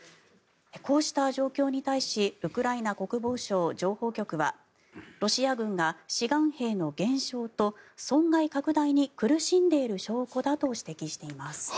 こうした状況に対しウクライナ国防省情報局はロシア軍が志願兵の減少と損害拡大に苦しんでいる証拠だと指摘しています。